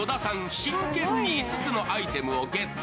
真剣に５つのアイテムをゲット。